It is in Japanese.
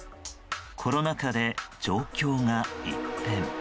コロナ禍で状況が一変。